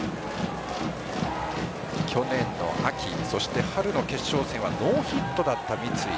去年の秋、春の決勝戦はノーヒットだった三井